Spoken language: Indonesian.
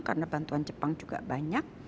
karena bantuan jepang juga banyak